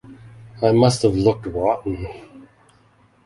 I must have looked rotten.